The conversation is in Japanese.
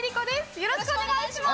よろしくお願いします。